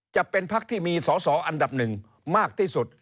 จะเป็นพักที่มีสอสออันดับหนึ่งมากที่สุด